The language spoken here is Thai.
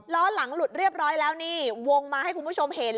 ล้อหลังหลุดเรียบร้อยแล้วนี่วงมาให้คุณผู้ชมเห็น